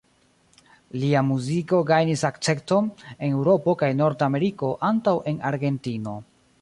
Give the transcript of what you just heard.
Lia muziko gajnis akcepton en Eŭropo kaj Nord-Ameriko antaŭ en Argentino.